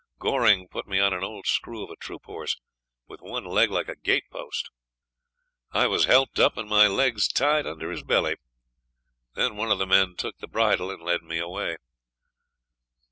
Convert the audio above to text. Goring put me on an old screw of a troop horse, with one leg like a gate post. I was helped up and my legs tied under his belly. Then one of the men took the bridle and led me away.